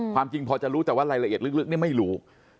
ความจริงพอจะรู้แต่ละเอียดลึกไม่รู้